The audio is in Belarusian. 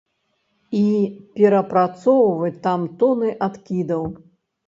І перапрацоўваць там тоны адкідаў.